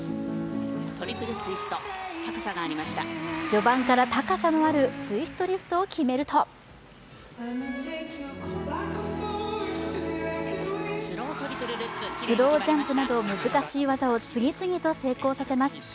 序盤から高さのあるツイストリフトを決めるとスロージャンプなど難しい技を次々と成功させます。